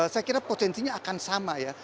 saya kira potensinya akan sama ya